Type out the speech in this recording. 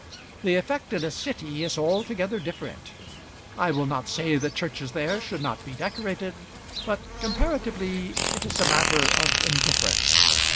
The effect in a city is altogether different. I will not say that churches there should not be decorated, but comparatively it is a matter of indifference.